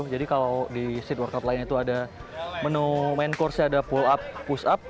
jadi kalau di street world out lain itu ada menu main course ada pull up push up